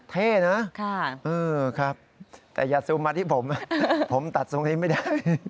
เท่นะครับแต่อย่าซูมมาที่ผมผมตัดตรงนี้ไม่ได้